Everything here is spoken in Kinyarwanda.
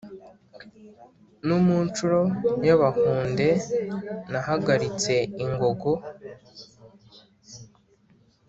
No mu nshuro y’abahunde nahagalitse ingogo,